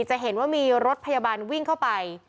จะเห็นว่ามีรถพยาบาลวิ่งเข้าไป